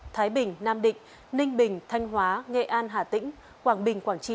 thái bình nam định ninh bình thanh hóa nghệ an hà tĩnh quảng bình quảng trị